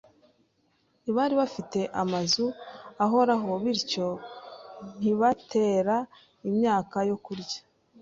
Ntibari bafite amazu ahoraho, bityo ntibatera imyaka yo kurya.